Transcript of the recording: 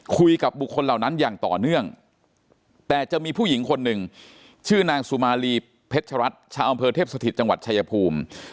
คุยกับบุคคลเหล่านั้นอย่างต่อเนื่องแต่จะมีผู้หญิงคนหนึ่งชื่อนางสุมาลีเพชรัตน์ชาวอำเภอเทพสถิตจังหวัดชายภูมิ